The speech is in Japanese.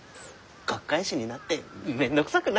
学会誌になって面倒くさくなったか？